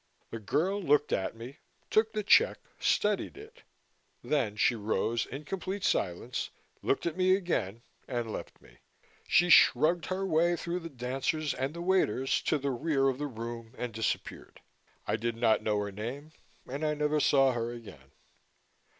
The girl looked at me, took the check, studied it. Then she rose, in complete silence, looked at me again and left me. She shrugged her way through the dancers and the waiters to the rear of the room and disappeared. I did not know her name and I never saw her again.